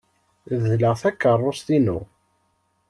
Dleɣ takeṛṛust-inu.